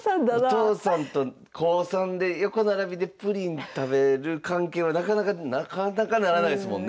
お父さんと高３で横並びでプリン食べる関係はなかなかならないですもんね。